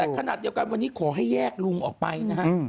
แต่ขนาดเดียวกันวันนี้ขอให้แยกลุงออกไปนะฮะ